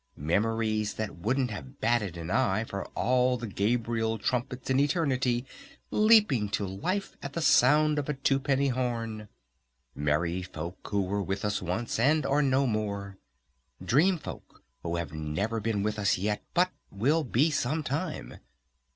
Memories that wouldn't have batted an eye for all the Gabriel Trumpets in Eternity leaping to life at the sound of a twopenny horn! Merry Folk who were with us once and are no more! Dream Folk who have never been with us yet but will be some time!